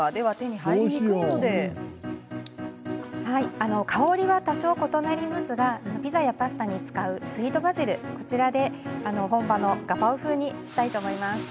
はい、香りは多少異なりますがピザやパスタに使うスイートバジルでこれで本場のガパオ風にします。